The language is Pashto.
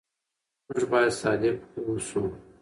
موږ بايد صادق اوسو.